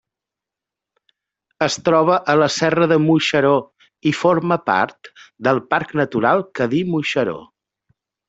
Es troba a la serra de Moixeró i forma part del Parc Natural Cadí-Moixeró.